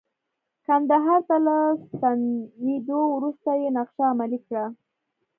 کندهار ته له ستنیدو وروسته یې نقشه عملي کړه.